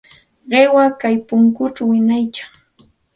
Qiwa kay punkućhaw wiñaykan.